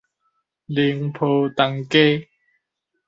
寧波東街